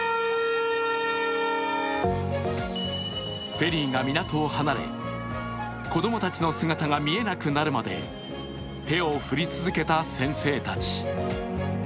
フェリーが港を離れ、子供たちの姿が見えなくなるまで手を振り続けた先生たち。